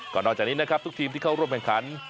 ก็นอกจากนี้นะครับทุกทีมที่เข้าร่วมแข่งขัน